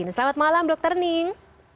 selamat malam dr ning